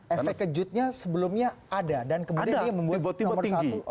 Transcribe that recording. efek kejutnya sebelumnya ada dan kemudian dia membuat nomor satu